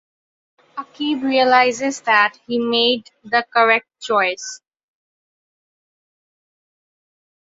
Aqib realizes that he made the correct choice.